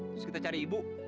terus kita cari ibu